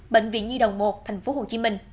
bệnh viện nhi đồng một tp hcm